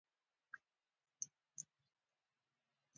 زموږ په څېر ټولنه کې ځپل ډېر وو.